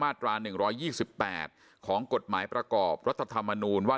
ตรา๑๒๘ของกฎหมายประกอบรัฐธรรมนูญว่า